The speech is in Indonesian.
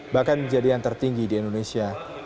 bahkan menjadi yang tertinggi di indonesia